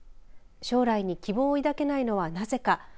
将来に希望を抱けないのはなぜか。